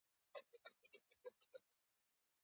دریابونه د افغانانو د ګټورتیا برخه ده.